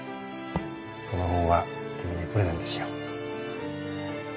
この本は君にプレゼントしよう。